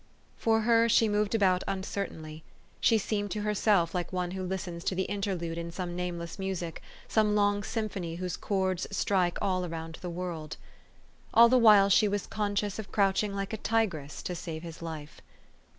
For her, she moved about uncertainly. She seemed to herself like one who listens to the interlude in some nameless music, some long symphony whose chords strike all around the world. All the while she was conscious of crouching like a tigress to save his life.